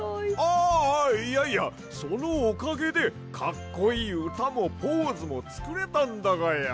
あいやいやそのおかげでかっこいいうたもポーズもつくれたんだがや！